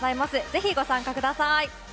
ぜひご参加ください。